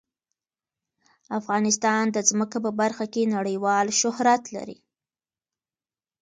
افغانستان د ځمکه په برخه کې نړیوال شهرت لري.